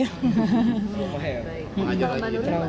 kalau bapak nuril rencananya apa ke depan